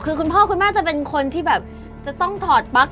คือคุณพ่อคุณแม่จะเป็นคนที่แบบจะต้องถอดปลั๊ก